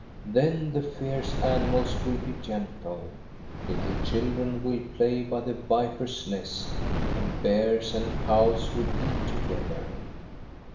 Then the fierce animals will be gentle ; little chil dren will play by the viper's nest, and bears and cows will eat together.